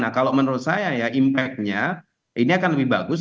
nah kalau menurut saya ya impactnya ini akan lebih bagus